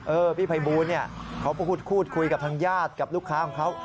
เออพี่ไภบูนเขาพูดคุยกับทางญาติกับลูกค้าของเขา